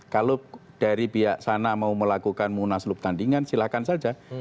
kalau dari pihak sana mau melakukan munaslup tandingan silahkan saja